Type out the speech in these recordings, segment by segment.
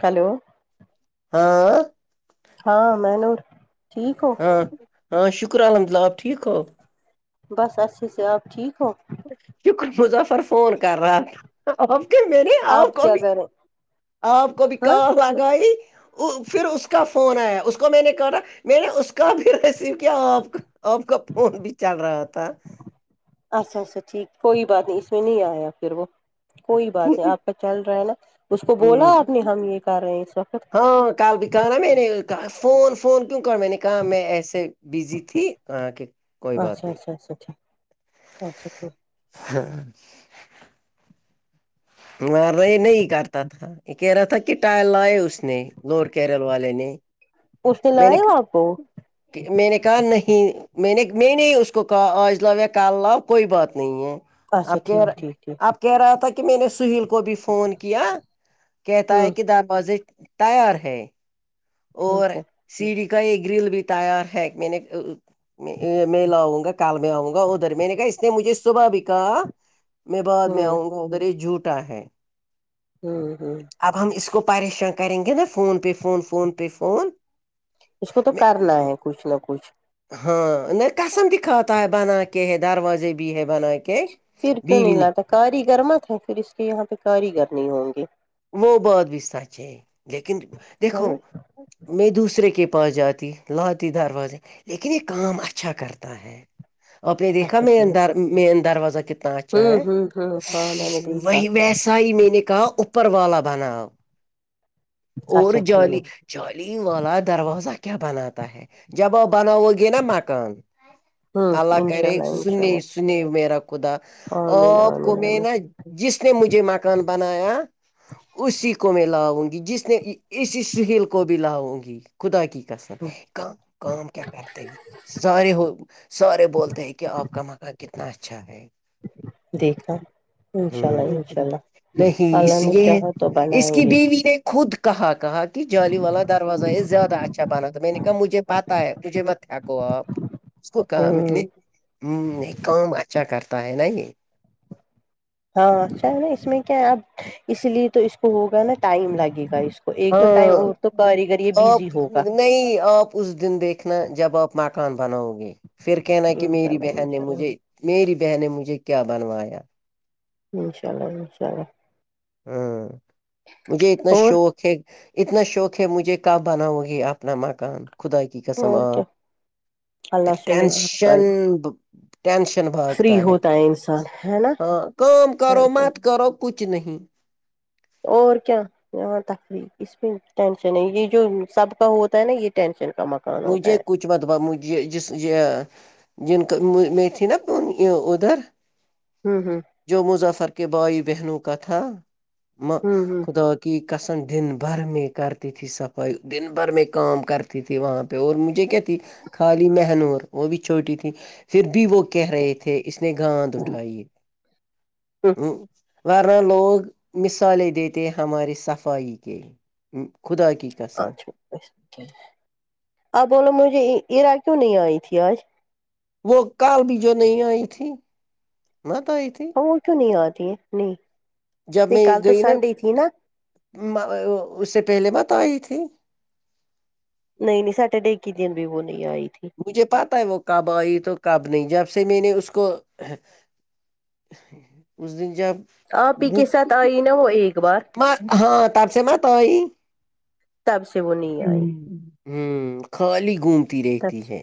hello ہاں ہاں مہ نور ٹھیک ہوں ہاں ہاں شکر الحمد للہ آپ ٹھیک ہو بس اچھے سے آپ ٹھیک ہو شکر مظفر فون کر رہا آپ کے میں نے آپ کو کیا بھی کریں آپ کو بھی ہاں کام لگائی پھر اس کا فون آیا اس کو میں نے کہا نہ میں نے اس کا بھی ریسیو کیا آپ کا آپ کا فون بھی چل رہا تھا اچھا اچھا ٹھیک کوئی بات نہیں اس میں نہیں آیا پھر وہ کوئی بات نہیں آپ کا چل رہا ہے نا اس کو بولا آپ نے ہم یہ کر رہے ہیں اس وقت ہاں کل بھی کہا نہ میں نے کہ فون فون کیوں کر میں نے کہا میں ایسے بزی تھی کہاں کے اچھا اچھا اچھا ٹھیک اچھا ٹھیک ہاں مار یہ نہیں کرتا تھا یہ کہہ رہا تھا کہ ٹائر لائے اس نے لور کیرل والے نے اس میں نے لائے آپ کو میں نے کہا نہیں میں نے میں نے اس کو کہا آج لاؤ یا کال لاؤ کوئی بات نہیں ہے اچھا اب کہہ ٹھیک ٹھیک ٹھیک رہا اب کہہ رہا تھا کہ میں نے سہیل کو بھی فون کیا کہتا ہے ہوں کہ دروازے تیار ہے اور ٹھیک ہے سیڑھی کا یہ گرل بھی تیار ہے میں نے میں میں لاؤں گا کال میں آؤں گا ادھر میں نے کہا اس نے مجھے صبح بھی کہا میں بعد میں ہوں آؤں گا ادھر یہ جھوٹا ہے ہوں ہوں اب ہم اس کو پریشان کریں گے نا فون پے فون فون پے فون اس کو تو میں کرنا ہے کچھ نہ کچھ ہاں نہیں قسم د کھاتا ہے بناا کے ہے دروازے بھی ہے بن کے پھر کیوں بیوی نہیں نے لاتا کاریگر مت ہے پھر اس کے یہاں پہ کاریگر نہیں ہوں گی وہ بات بھی سچ ہے لیکن ہے نا دیکھو میں دوسرے کے پاس جاتی لاتی دروازے لیکن یہ کام اچھا کرتا ہے آپ نے دیکھا اچھا ٹھیک مین در مین دروازہ کتنا نا اھا ہوں ہے ہوں ہوں ہاں میں نے وہ دیکھا ویسا ہی میں نے کہا پروا بناؤ اور اچھا ٹھیک ہے جالی چالی والا دروازہ کیا بناتا ہے جب آپ بناؤ گے نا مکان ہوں اللہ کر انشاء رہے انشاء سنی اللہ سنی میرا خدا عامین آپ کو عامین میں نا عامین جس نے مجھے مکان بنایا اسی کو میں لاؤں گی جس نے اسی سہیل کو بھی لاؤں گی خدا کی قسم کا کام کیا کرتے سارے ہو سارے بولتے ہیں کہ آپ کا مکان کتنا اچھا ہے دیکھا ہ انشاء اللہ انشاء اللہ نہیں اللہ اس نے یہ ہے چاہا تو اس بنائیں کی گے بھی نے خود کہا کہا کہ جالی والا دروازہ یہ زیادہ اچھا بنا تھا میں نے کہا مجھے پتہ ہے تجھے بت کوو آپ اس کو کامت ہوں نہیں [unintelligible] ہ نہیں کام اچھا کرتا ہے نا یے ہاں اچھا ہے نا اس میں کیا ہے اب اس لیے تو اس کو ہوگا نا ٹائم لگے گا اس کو ایک تو ٹائم ہاں اور تو کاریگر یہ بزی آپ ہوگا نہیں آپ اس دن دیکھنا جب آپ مکان بناؤ گے پھر کہنا کہ انشاء میری اللہ بہن نے انشاء اللہ مجھے میری بہن نے مجھے کیا بنوایا انشاء اللہ انشاء اللہ ہوں مجھے اتنا اور شوق ہے اتنا شوق ہے مجھے کب بناؤ گے اپنا مکان خدا کی قسم اور کیا آپ ایک اللہ سنے آپ کا ٹینشن ٹینشن فری بھاگتا ہے ہوتا انسان ہے نا ہاں کا کرو مت کرو کچھ نہیں اور کیا ہاں تفریح اس میں ٹینشن ہے یہ جو سب کا ہوتا ہے نا یہ ٹینشن کا مق مجھے کچھ متبہ مج جس یہ جن کا میں تھی نا ادھر [unintelligible] ہوں ہوں جو مظفر کے بھائی بہنوں کا تھا ہوں ہوں خدا کی قسم دن بھر میں کرتی تھی صفائی دن بھر میں کا کرتی تھی وہاں اور مجھے کیا تھی خالی مہنور وہ بھی چھوٹی تھی پھر بھی وہ کیا کہہ رہے تھے اس نے گاند اٹھائی ہے ہوں ہ ورنہ لوگ مثالیں دیتے ہمارے صفائی کے خدا کی قسم آپ بولو مجھے ایرا کیوں نہیں آئی تھی آج وہ کال بھی جو نہیں آئی تھی نہ تو آئی تھی ہاں کیوں نہیں آتی ہے نہیں جب یہ میں کل تو گئی نا سنڈے تھی نا اس سے پہلے مت آئی تھی نہیں نہیں سٹرڈے کی دن بھی وہ نہیں آئی تھی مجھے پتا ہے وہ کب آئی تو کب نہیں جب سے میں نے اس کو اس دن جب آپ ہی کے ساتھ آئی نا وہ ایک بار ہاں تب سے ماتئی [unintelligible] تب سے وہ نہیں آئی ہوں خالی گھومتی رہتی تب سے ہے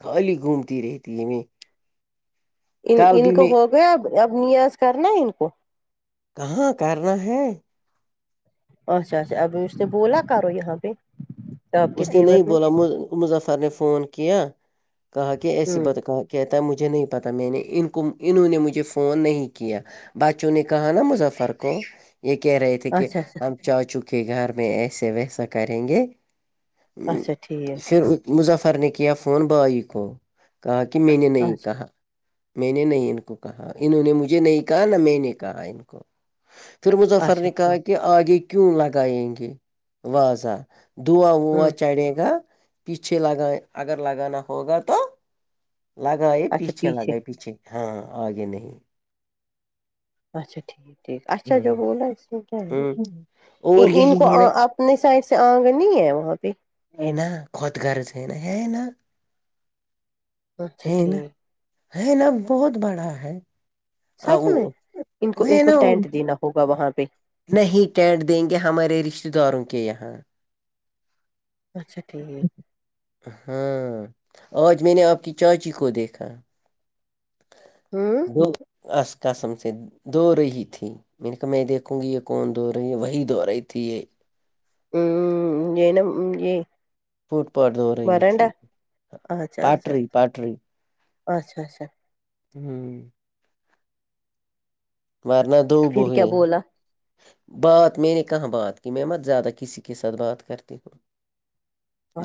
خالی گھومتی رہتی ہے میںیں ان ان کو ہو گیا اب اب نیاز کرنا ہے ان کو کہاں کرنا ہے اچھا اچھا اس بوللا کرو یہاں پہ آپ کے اس نے دیور نہیں بولا مظفر نے فون کیا کہا کہ ایسی ہوں بتک کہتا مجھے نہیں پتاہ میں نے ان کو انہوں نے مجھے فون نہیں کیا بچوں نے کہا نا مظفر کو یہ کہہ رہے تھے کہ اچھا اچھا ہم چاچو کے گھر میں ایسے ویسا کریں گے اچھا ٹھیک ہے پھر مظفر نے کیا فون بھائی کو کہا کہ میں نے نہیں اچھا کہا میں نے نہیں ان کو کہا انہوں نے مجھے نہیں کہا نہ میں نے کہا ان کو پھر مظفر اچھا نے ٹھیک کہا کہ آگے کیوں لگائیں گے واضح دواں وواں ہوں چڑھے گا پیچھے لگا اگر لگانا ہوگا تو لگائے پیچھے لگائے پیچھے ہاں آگے نہیں اچا ٹھیک ٹھیک اچھا ج گ ہ ن [unintelligible] اور ان یہی کو ہے نا اپنے سائڈ سے آنگن نہیں ہے وہاں پہ [unintelligible] ہ اچھا نہ ٹھیک ہے نہ اب بہت بڑا ہے سچ میں وہ ان کو ان ہے کو نا ٹینٹ دینا ہوگا وہاں پہ نہیں ٹینٹ دیں گے ہمارے رشتتے داروں کے یہاں اچھا ٹھیک ہاں آج میں نے آپ کی چاچی کو دیکھا ہوں دو اس قسم سے دو رہی تھی ملکی نے کہا میں دیکھوں گی یہ کون دوہ رہی ہے وہی دوہ رہی تھی یہ [unintelligible] پوٹ پد ہو رہی تھی برنڈا اچھا اچھا پاٹری اچھا پاٹری اچھا اچھا ہوں ورنہ دوبو پھر کیا ہیی بولا بات میں نے کہاں بات کی میں مت زیادہ کسی کے ساتھ بات کرتی ہوں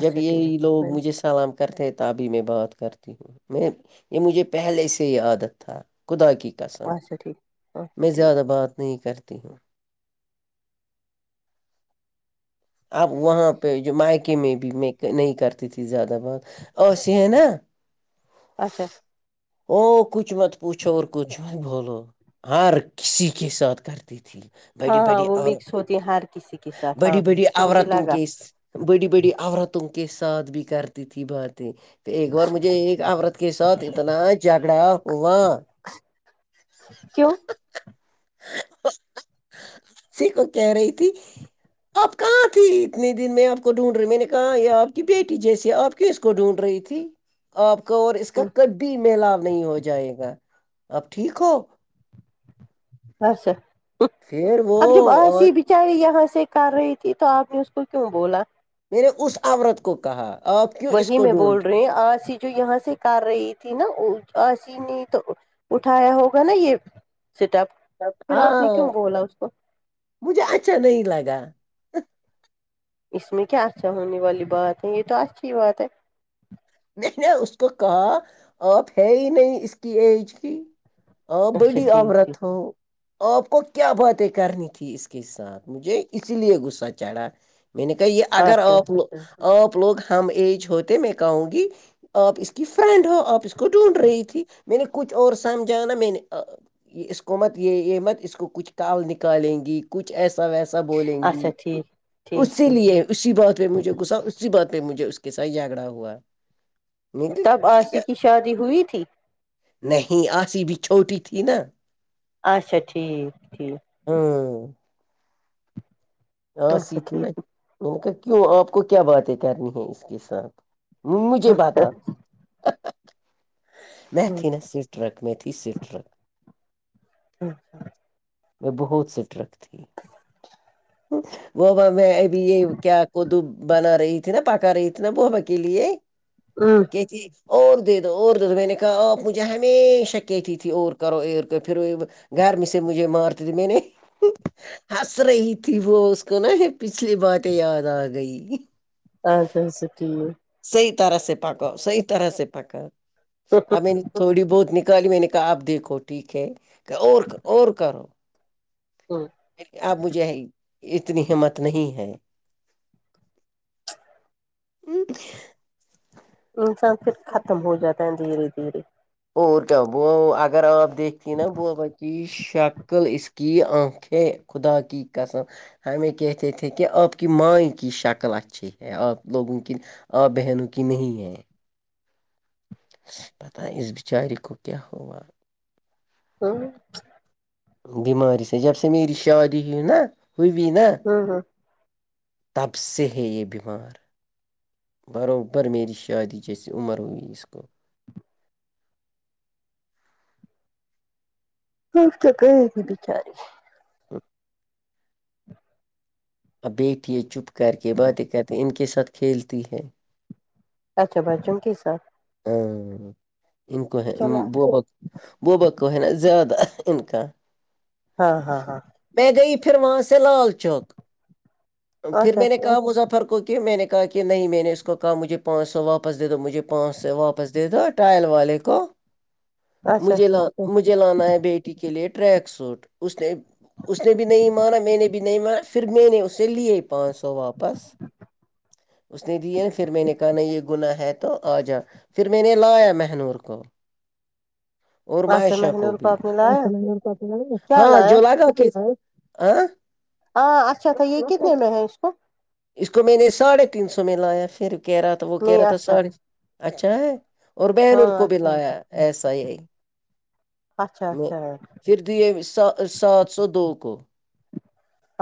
جب یہی ٹھیک لوگ میں نے مجھے سلام کرتے ہیں تبھی میں بات کرتی ہوں میں یہ مجھے پہلے سے ہی عادت تھا خدا کی قسم اچھا ٹھیک اچھا میں ٹھیک زیادہ بات نہیں کرتی ہوں اب وہاں پہ جو مائکے میں بھی میں نہیں کرتی تھی زیادہ بہت اسی ہے نا اچھا او کچھ مت پوچھو اور کچھ مت بولو ہر کسی کے ساتھ کرتی تھی ہاں بڑی ہاں بڑی وہ اور مکس ہوتی ہے ہر کسی کے ساتھ ہاں بڑی بڑی مجھے عورتوں لگا کے بڑی بڑی عورتوں کے ساتھ بھی کرتی تھی باتیں ایک بار مجھے ایک عورت کے ساتھ اتنا جھگڑا ہوا کیوں سی کو کہہ رہی تھی آپ کہاں تھی اتنے دن میں آپ کو ڈھونڈ رہی میں نے کہا یے آپ کی بیٹی جیسی آپ کیس کو ڈھونڈ رہی تھی آپ کا اور اس کا ہوں، کبھی ملاپ نہیں ہو جائے گا آپ ٹھیک ہو اسا پھر وہ اب جب اور آسی بھی چار یہاں سے کر رہی تھی تو آپ نے اس کو کیوں بولا میں نے اس آورت کو کہا آپ کیوں اس وہی کو میں بول ڈھونڈ رہے ہیں آج ہی جو یہاں سے کر رہی تھی نا ایسی نے تو اٹھایا ہوگا نا یے سٹ اپ پھر آپ نے کیوں ہاں بولا اس کو مجھے اچھا نہیں لگا اس میں کیا اچھا ہونے والی بات ہے یے تو اچھی بات ہے نہیں نے اس کو کہا آپ ہے ہی نہیں اس کی ایج کی آپ اچھا بڑی ٹھیک عورت ٹھیک ہو آپ کو کیا باتیں کرنی تھی اس کے ساتھ مجھے اس لیے غصہ چڑھا میں نے کہا یے اگر اچھا آپ اچھا لوگ آپ لوگ ہم ایج ہوتے میں کہوں گی آپ اس کی فرینڈ ہو آپ اس کو ڈھونڈ رہی تھی میں نے کچھ اور سمجھا نا میں نے یے اس کو مت یے یے مت اس کو کچھ تال نکالیں گی کچھ ایسا ویسا بولیں گی اچھا ٹھیک ٹھیک اسی ٹھیک لیے ٹھیک اس اسی بات پے مجھے گسا اسی بات پے مجھے اس کے س جگڑا ہوا میں نے تب آسی کہا کی شادی ہوئی تھی نہیں آسی بھی چھوٹی تھی نا اچھا ٹھیک ٹھیک ہمم آسی اچھا تھی ٹھیک میں نے کہا کیوں آپ کو کیا باتیں کرنی ہے اس کے ساتھ مجھے باتا میں تھی نا سٹرک میں تھی سٹرک [inaudible] میں بہت سٹرک ھتی ہ ووا میں ابھی یے کیا کدو بنا رہی تھی نا پکا رہی تھی نا بابا کے لیے امم تھی اور دے دو اور دے دو میں نے کہا آپ مجھے ہمیشہ کہتی تھی اور کرو ا پھر گر میں سے مجھے مارتی تے میں نے ہنس رہی تھی تھی وہ اس کو نا یے پچھلی باتیں یاد آ گئی اچھا اچھا ٹھیک سئی طرح سے پکا سئی طرح سے پکا اب ٹھیک ان تھوڑی بہت نکالی میں نے کہا آپ دیکھو ٹھیک ہے اور اور کرو ہ اب مجھے اتنی ہمت نہیں ہے [inaudible] انسان فیر ختم ہو جاتا ہے دھیرے دھیر اور کیا وہ اگر آپ دیکھتی نا بابا کی ش شکل اسکی انکھیں خدا کی قسم ہمیں کہتے تھے کی آپ کی مائ کی شکل اچھی ہے آپ لوگوں کی آپ بہنوں کی نہیں ہے پتا اس بچار کو کیا کیا ہوا [inaudible] بیماری سے جب سے میری شادی ہوئی نا ہوئی نا ہ ہ تب سے ہے یہ بمار بروبر میری شادی جیسی عمر ہوئی اس کو [unintelligible] بچاری ہاں اب بیٹے چپ کر کے باتیں کرتے ان کے ساتھ کھیلتی ہے اچھا بچاؤ کے ساتھ ہاں انکو ہے چلا بہت [unintelligible] ہے نا زیادہ ان کا ہاں ہاں ہاں میں گئی پھر وہاں سے لال چوک پھر اچھا میں نے کہا مظفر کو پھر میں نے کہا کہ نہیں میں نے اس کو کہا مجھ پانچ سو واپس دے دو مجھے پانچ سو واپس دے دو ٹائل والے کو اچھا مجھے ل وہ مجھے لانا ہے بیٹی کے لیے ٹریک سوٹ اس نے اس نے بھی نہیں مانا میں نے بھی نہیں مانا پھر میں نے اسے لیے پانچ سو واپس اس نے دیے پھر میں نے کہا نی یہ گناہ ہے تو آ جاؤ پھر میں نے لایا مہنور کو اور اچھا مائشہ کو مہنور بھی آپ نے لایا [unintelligible] کیا ہاں لایا جو لگا ہاں ہاں اچھا اھا یہ کتنے میں ہے اس کو اس کو میں نے ساڑھے تین سو میں لایا پھر کہہ رہا تھا وہ کہہ نہیں رہا تھا اچھا ساڑھے اچھا ہے اور بہنوں ہاں کو بھی اچھا لایا ایسا ھی ایک اچھا میں اچھا ہے پھر دیہ سات سو دو کو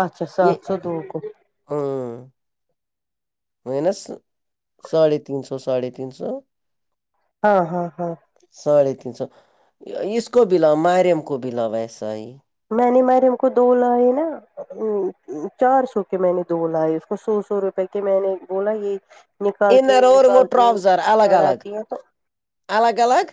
اچھا سات سو دو کو ہوں ونس ساڑے تین سو ساڑے تین سو ہاں ہاں ہاں ساڑھے تین سو اس کو بھی لا مریم کو بھی لا ویسا ہی میں نے مریم کو دو لائے نا چار سو کے میں نے دو لئے اس کو سو سو روپے کے میں نے بولا یہ نکالتی انر اور وہ نکالتی ہوں ٹراؤزر الگ الگ چڑھاتی ہے تو الگ الگ